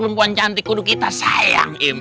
perempuan cantik kudu kita sayang im